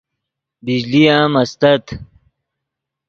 بجلی ام استت